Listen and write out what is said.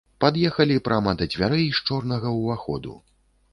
Пад'ехалі прама да дзвярэй з чорнага ўваходу.